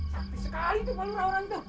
sakti sekali itu balurah orang itu